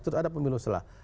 terus ada pemilu selah